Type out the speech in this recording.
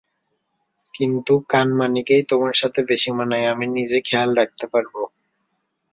কিন্তু কানমাণিকেই তোমার সাথে বেশি মানায়, আমি নিজের খেয়াল রাখতে পারবো।